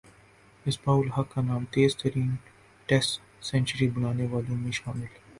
مصباح الحق کا نام تیز ترین ٹیسٹ سنچری بنانے والوںمیں شامل